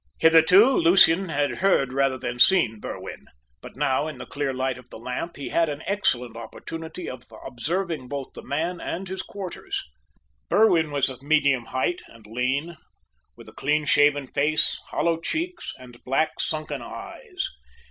Hitherto, Lucian had heard rather than seen Berwin; but now, in the clear light of the lamp, he had an excellent opportunity of observing both the man and his quarters. Berwin was of medium height, and lean, with a clean shaven face, hollow cheeks, and black, sunken eyes.